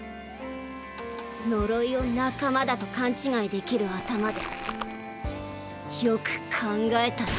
呪いを仲間だと勘違いできる頭でよく考えたら？